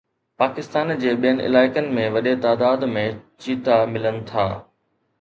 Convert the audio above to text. پاڪستان جي ٻين علائقن ۾ وڏي تعداد ۾ چيتا ملن ٿا